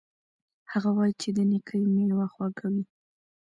هغه وایي چې د نیکۍ میوه خوږه وي